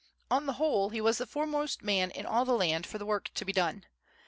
On the whole, he was the foremost man in all the land for the work to be done.